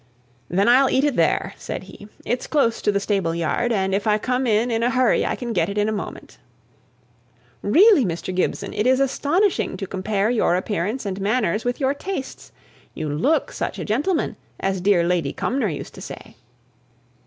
"Then I'll eat it there," said he. "It's close to the stable yard, and if I come in in a hurry I can get it in a moment." "Really, Mr. Gibson, it is astonishing to compare your appearance and manners with your tastes. You look such a gentleman, as dear Lady Cumnor used to say."